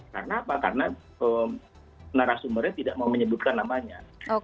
karena apa karena narasumbernya tidak mau menyebutkan namanya